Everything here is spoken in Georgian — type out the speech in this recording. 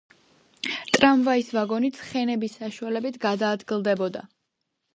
ტრამვაის ვაგონი ცხენების საშუალებით გადაადგილდებოდა.